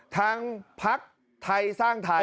ทั้งพักไทยสร้างไทย